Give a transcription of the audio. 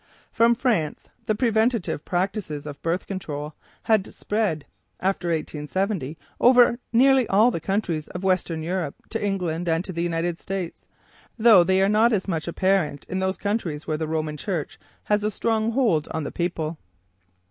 From France the preventive practices of "birth control" had spread, after 1870, over nearly all the countries of western Europe, to England and to the United States; though they are not as much apparent in those countries where the Roman Church has a strong hold on the people.